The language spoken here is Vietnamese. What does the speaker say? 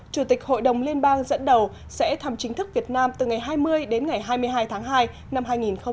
chủ tịch hội đồng liên bang dẫn đầu sẽ thăm chính thức việt nam từ ngày hai mươi đến ngày hai mươi hai tháng hai năm hai nghìn hai mươi